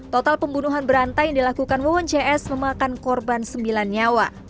total pembunuhan berantai yang dilakukan wawon cs memakan korban sembilan nyawa